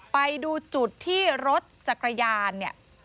ไปดูจุดที่รถจักรยาน